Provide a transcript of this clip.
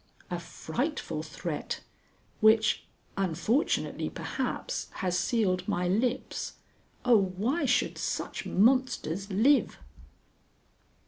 A frightful threat which, unfortunately perhaps, has sealed my lips. Oh, why should such monsters live!